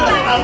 itu siapa aja